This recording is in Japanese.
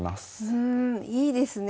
うんいいですね。